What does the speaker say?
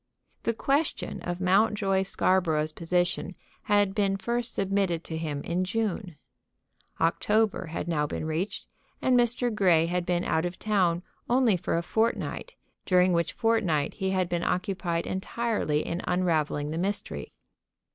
The question of Mountjoy Scarborough's position had been first submitted to him in June. October had now been reached and Mr. Grey had been out of town only for a fortnight, during which fortnight he had been occupied entirely in unravelling the mystery.